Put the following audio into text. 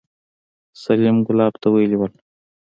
سليم ګلاب ته ويلي وو.